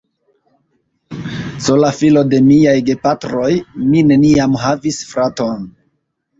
Sola filo de miaj gepatroj, mi neniam havis fraton.